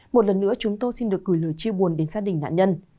một lần nữa chúng tôi xin được gửi lời chia buồn đến gia đình nạn nhân